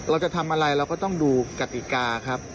เราจะทำอะไรเราก็ต้องดูกติกาครับ